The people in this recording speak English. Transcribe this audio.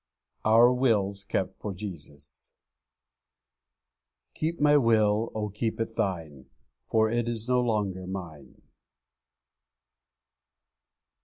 Our Wills kept for Jesus. 'Keep my will, oh, keep it Thine, _For it is no longer mine.'